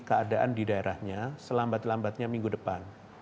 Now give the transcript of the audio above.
keadaan di daerahnya selambat lambatnya minggu depan